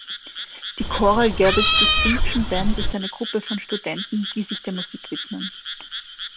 Die Coral Gables Distinction Band ist eine Gruppe von Studenten, die sich der Musik widmen.